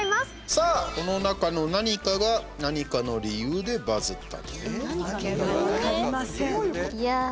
さあ、この中の何かが何かの理由でバズったと。